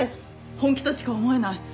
本気としか思えない。